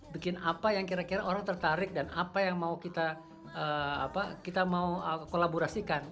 bikin apa yang kira kira orang tertarik dan apa yang mau kita mau kolaborasikan